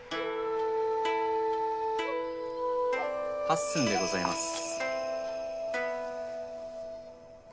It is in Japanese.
八寸でございます。